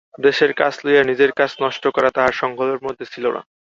দেশের কাজ লইয়া নিজের কাজ নষ্ট করা তাহার সংকল্পের মধ্যে ছিল না।